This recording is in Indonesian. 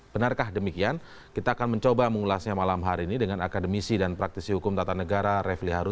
benarkah demikian kita akan mencoba mengulasnya malam hari ini dengan akademisi dan praktisi hukum tata negara refli harun